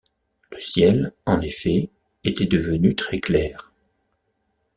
Le ciel, en effet, était devenu très clair.